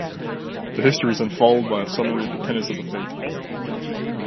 The history is then followed by a summary of the tenets of the faith.